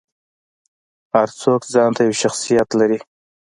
هر څوک ځانته یو شخصیت لري.